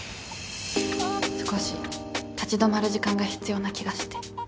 少し立ち止まる時間が必要な気がして。